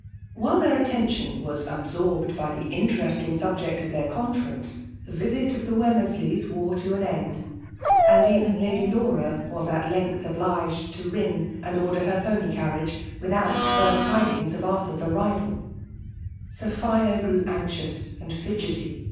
While their attention was absorbed by the: interesting subject of their conference, the visit of the Wemmersleys wore to an end; and even Lady Laura was at length obliged to ring and order her pony carriage without further tidings of Arthur^s arrival Sophia grew anxious and fidgety.